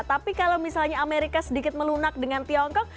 tapi kalau misalnya amerika sedikit melunak dengan tiongkok